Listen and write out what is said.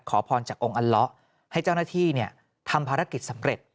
ขอพรจากองค์อัลละให้เจ้าหน้าที่ทำภารกิจสำเร็จ